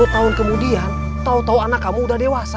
sepuluh tahun kemudian tau tau anak kamu udah dewasa